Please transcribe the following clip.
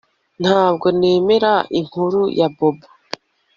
Ntabwo nemera inkuru ya Bobo